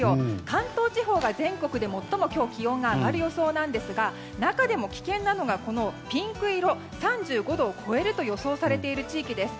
関東地方が全国で最も今日気温が上がる予想ですが中でも危険なのがピンク色の３５度を超えると予想されている地域です。